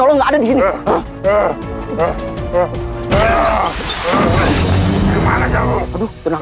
kau ingin ditemani kami hebat